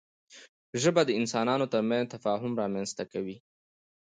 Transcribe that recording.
ژبه د انسانانو ترمنځ تفاهم رامنځته کوي